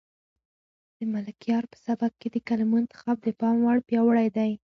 د ملکیار په سبک کې د کلمو انتخاب د پام وړ پیاوړی دی.